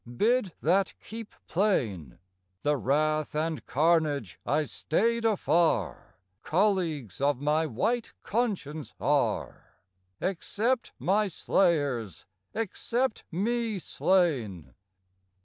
bid that keep plain; The wrath and carnage I stayed afar Colleagues of my white conscience are: Accept my slayers, accept me slain!